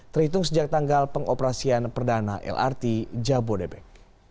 terhitung sejak tanggal pengoperasian perdana lrt jabodebek